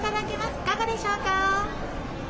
いかがでしょうか。